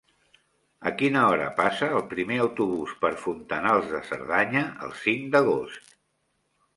A quina hora passa el primer autobús per Fontanals de Cerdanya el cinc d'agost?